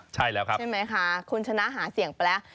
ใช่ไหมคะคุณชนะหาเสียงไปแล้ว